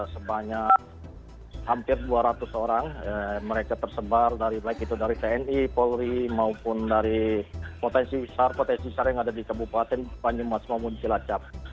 sebanyak hampir dua ratus orang mereka tersebar dari tni polri maupun dari potensi sar yang ada di kabupaten banyumas mabung cilacap